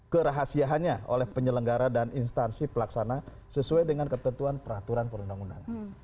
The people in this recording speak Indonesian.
kerahasiaannya oleh penyelenggara dan instansi pelaksana sesuai dengan ketentuan peraturan perundang undangan